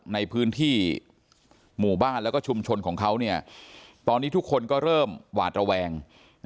ในพื้นที่หมู่บ้านแล้วก็ชุมชนของเขาตอนนี้ทุกคนก็เริ่มหวาดระแวง